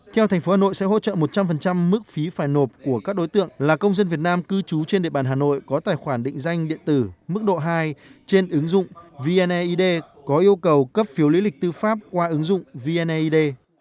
theo tp hà nội sẽ hỗ trợ một trăm linh mức phí phải nộp của các đối tượng là công dân việt nam cư trú trên địa bàn hà nội có tài khoản định danh điện tử mức độ hai trên ứng dụng vneid có yêu cầu cấp phiếu lý lịch tư pháp qua ứng dụng vneid